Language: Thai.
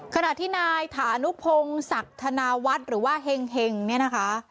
ขณะที่นายฐานุพงศักดิ์ธนาวัฒน์หรือว่าเห็งเนี่ยนะคะ